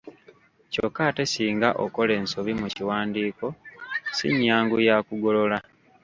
Kyokka ate singa okola ensobi mu kiwandiiko si nnyangu ya kugolola.